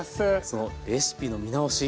そのレシピの見直し